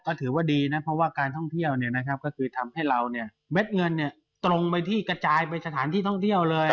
ก็ถือว่าดีนะเพราะว่าการท่องเที่ยวก็คือทำให้เราเม็ดเงินตรงไปที่กระจายไปสถานที่ท่องเที่ยวเลย